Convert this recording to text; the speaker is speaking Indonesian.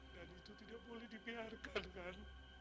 dan itu tidak boleh dibiarkan kan